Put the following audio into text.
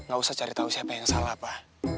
gak usah cari tau siapa yang salah pa